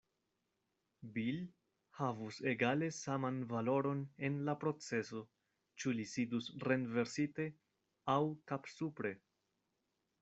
"Bil" havus egale saman valoron en la proceso, ĉu li sidus renversite aŭ kapsupre.